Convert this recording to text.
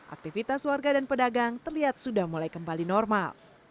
aktivitas warga dan pedagang terlihat sudah mulai kembali normal